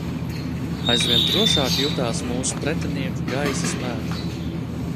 Aizvien drošāk jutās mūsu pretinieku gaisa spēki.